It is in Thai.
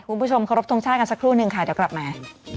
คุณผู้ชมเคารพทรงชาติกันสักครู่นึงค่ะเดี๋ยวกลับมา